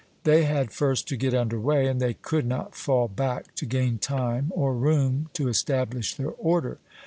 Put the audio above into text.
They had first to get under way, and they could not fall back to gain time or room to establish their order.